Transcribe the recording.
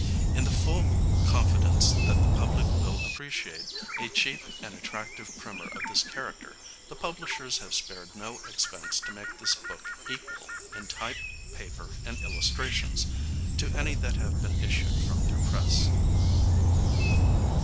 In the full confidence that the public will appreciate a cheap and attractive Primer of this character, the Publishers have spared no expense to make this book equal, in type, paper, and illustrations, to any that have been issued from their Press.